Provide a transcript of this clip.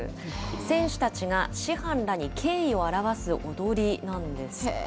選手たちが師範らに敬意を表す踊りなんですって。